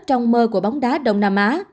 trong mơ của bóng đá đông nam á